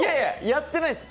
やってないです！